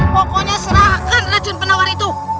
pokoknya serahkan lecuan penawar itu